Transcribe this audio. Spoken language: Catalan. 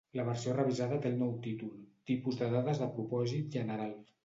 La versió revisada té el nou títol "Tipus de dades de propòsit general".